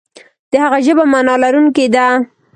د هغه ژبه معنا لرونکې ده.